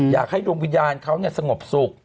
อยากให้ธุมวิญญาณเขาเนี่ยสงบสุก